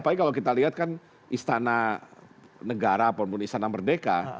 apalagi kalau kita lihat kan istana negara apapun istana merdeka